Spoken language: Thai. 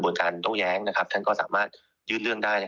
บทการโว้ย้ังท่านก็สามารถยืดเรื่องได้